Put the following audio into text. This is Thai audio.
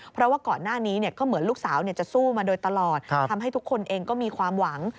เพราะว่าก่อนหน้านี้ก็เหมือนลูกสาวจะสู้มาโดยตลอดทำให้ทุกคนเองก็มีความหวัง